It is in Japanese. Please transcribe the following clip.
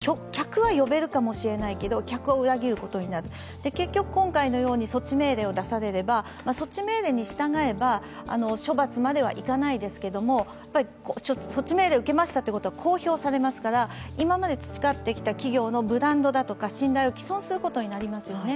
供給ができないにもかかわらず、できますよと誤解するような表示をすることは客は呼べるかもしれないけど、客を裏切ることになる結局今回のように措置命令を出されれば、措置命令に従えば処罰まではいかないですけれども、措置命令を受けましたということは公表されますから、今まで培ってきた企業のブランドとか信頼を毀損することになりますよね。